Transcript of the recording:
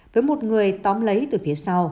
với một người tóm lấy từ phía sau